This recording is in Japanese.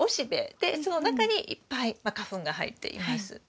でその中にいっぱい花粉が入っています。